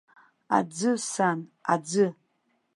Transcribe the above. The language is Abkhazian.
Аӡы, сан, аӡы!